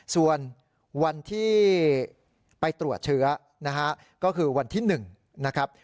ส่วนวันที่ไปตรวจเชื้อนะฮะก็คือวันที่๑นะครับ